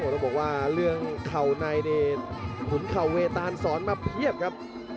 ต้องบอกว่าเรื่องเข่าในนี่ขุนเข่าเวตานสอนมาเพียบครับ